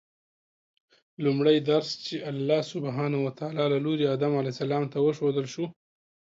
لومړی درس چې الله سبحانه وتعالی له لوري آدم علیه السلام ته وښودل شو